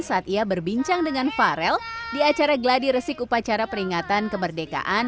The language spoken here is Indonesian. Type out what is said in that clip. saat ia berbincang dengan farel di acara gladiresik upacara peringatan kemerdekaan